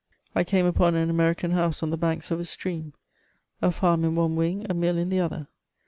I came upon an American house on the banks of a stream — a farm in one wing, a mill in the other.